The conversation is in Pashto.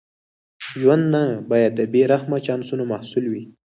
ژوند نه باید د بې رحمه چانسونو محصول وي.